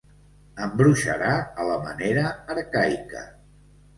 Embruixarà a la manera arcaica.